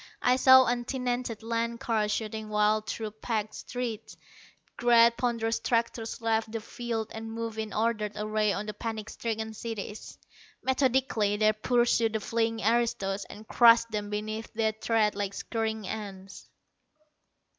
I saw untenanted land cars shooting wild through packed streets. Great ponderous tractors left the fields and moved in ordered array on the panic stricken cities. Methodically they pursued the fleeing aristos, and crushed them beneath their tread like scurrying ants.